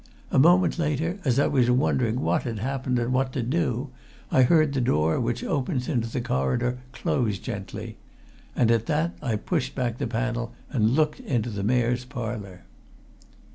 A moment later, as I was wondering what had happened, and what to do, I heard the door which opens into the corridor close gently. And at that I pushed back the panel and looked into the Mayor's Parlour."